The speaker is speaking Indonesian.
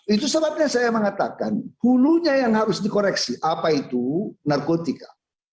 itu sebabnya saya mengatakan hulunya yang harus dikoreksi apa itu narkotika